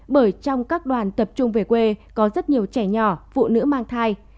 bởi trong các đoàn tập trung về quê có rất nhiều trẻ nhỏ phụ nữ mang thai